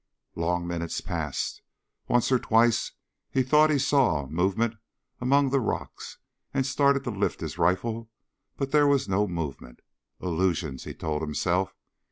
Long minutes passed. Once or twice he thought he saw movement among the rocks and started to lift his rifle; but there was no movement. Illusions, he told himself.